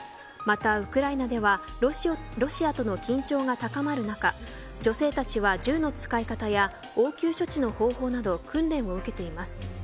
また、ウクライナではロシアとの緊張が高まる中女性たちは銃の使い方や応急処置の方法など訓練を受けています。